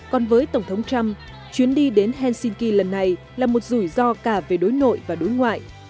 còn với tổng thống trump chuyến đi đến helsinki lần này là một rủi ro cả về đối nội và đối ngoại